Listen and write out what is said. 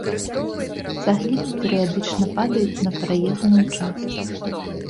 Цагліны перыядычна падаюць на праезную частку.